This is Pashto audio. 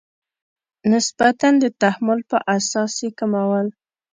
نسبتا د تحمل په اساس یې کمول.